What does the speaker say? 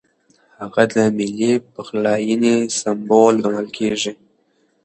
هغه د ملي پخلاینې سمبول ګڼل کېږي.